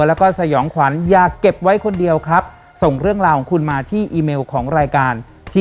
แล้วก็สยองขวัญอย่าเก็บไว้คนเดียวครับส่งเรื่องราวของคุณมาที่อีเมลของรายการที่